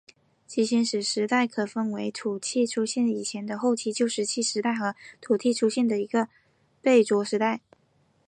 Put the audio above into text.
其先史时代可分为土器出现以前的后期旧石器时代和土器出现之后的贝冢时代。